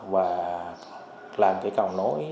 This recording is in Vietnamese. và làm cái cầu nối